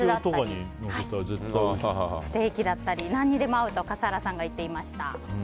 ステーキだったり何にでも合うと笠原さんが言っていました。